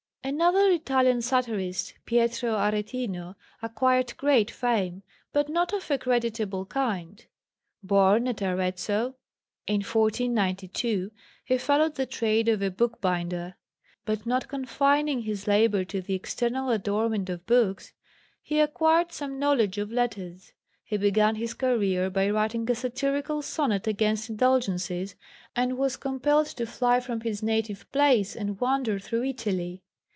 Another Italian satirist, Pietro Aretino, acquired great fame, but not of a creditable kind. Born at Arezzo in 1492, he followed the trade of a bookbinder; but not confining his labour to the external adornment of books, he acquired some knowledge of letters. He began his career by writing a satirical sonnet against indulgences, and was compelled to fly from his native place and wander through Italy.